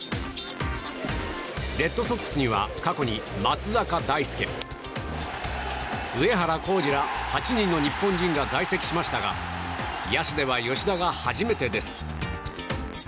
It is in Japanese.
レッドソックスには過去に松坂大輔上原浩治ら８人の日本人が在籍しましたが野手では吉田が初めてです。